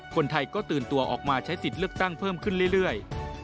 คนไทยก็ตื่นตัวออกมาใช้สิทธิ์เลือกตั้งเพิ่มขึ้นเรื่อย